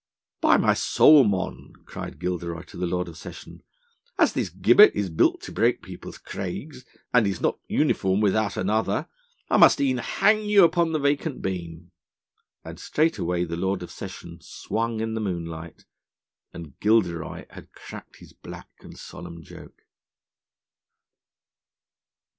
'By my soul, mon,' cried Gilderoy to the Lord of Session, 'as this gibbet is built to break people's craigs, and is not uniform without another, I must e'en hang you upon the vacant beam.' And straightway the Lord of Session swung in the moonlight, and Gilderoy had cracked his black and solemn joke.